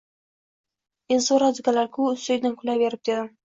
Ezvoradilarku ustingdan kulaverib dedim.